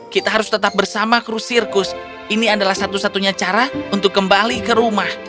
kita harus tetap bersama kru sirkus ini adalah satu satunya cara untuk kembali ke rumah